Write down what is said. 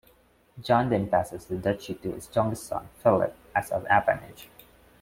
John then passed the duchy to his youngest son Philip as an apanage.